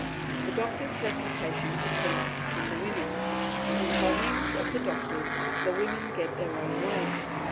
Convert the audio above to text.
The doctors' reputation depends on the women, and by means of the doctors the women get their own way.